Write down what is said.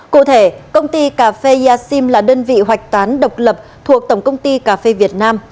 cụ thể công ty cà phê yashim là đơn vị hoạch toán độc lập thuộc tổng công ty cà phê việt nam